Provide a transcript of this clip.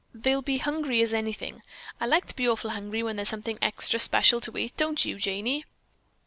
They'll be hungry as anything! I like to be awful hungry when there's something extra special to eat, don't you, Janey?"